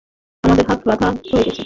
আমার হাত ব্যথা হয়ে গেছে।